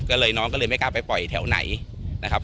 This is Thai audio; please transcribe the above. ก็เลยน้องก็เลยไม่กล้าไปปล่อยแถวไหนนะครับ